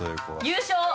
優勝。